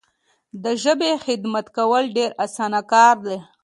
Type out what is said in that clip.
د ژبي خدمت کول ډیر اسانه کار دی.